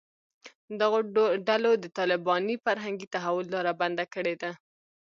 دغو ډلو د طالباني فرهنګي تحول لاره بنده کړې ده